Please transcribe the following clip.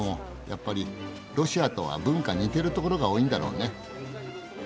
やっぱりロシアとは文化似てるところが多いんだろうね。